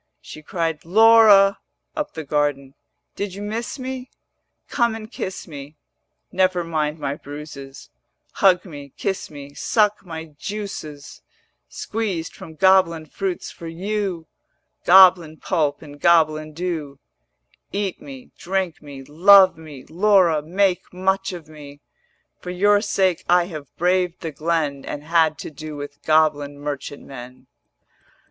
She cried 'Laura,' up the garden, 'Did you miss me? Come and kiss me. Never mind my bruises, Hug me, kiss me, suck my juices Squeezed from goblin fruits for you, Goblin pulp and goblin dew. 470 Eat me, drink me, love me; Laura, make much of me: For your sake I have braved the glen And had to do with goblin merchant men.'